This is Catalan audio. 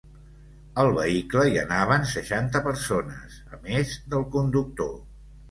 Al vehicle hi anaven seixanta persones, a més del conductor.